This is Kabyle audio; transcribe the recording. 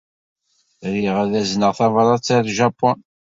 Riɣ ad azneɣ tabṛat-a ɣer Japun.